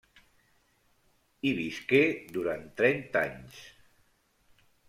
Hi visqué durant trenta anys.